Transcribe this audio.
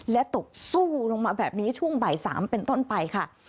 และตกสู้ลงมาแบบนี้ช่วงบ่าย๓เป็นต้นไปค่ะ